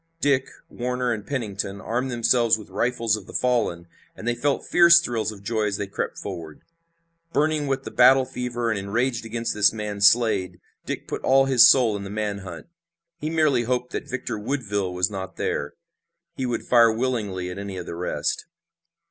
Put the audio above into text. Dick, Warner and Pennington armed themselves with rifles of the fallen, and they felt fierce thrills of joy as they crept forward. Burning with the battle fever, and enraged against this man Slade, Dick put all his soul in the man hunt. He merely hoped that Victor Woodville was not there. He would fire willingly at any of the rest.